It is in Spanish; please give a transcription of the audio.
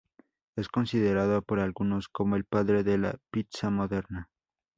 Es considerado por algunos como el padre de la pizza moderna.